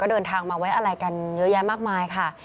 เดินทางมาไว้อะไรกันเยอะแยะมากมายค่ะ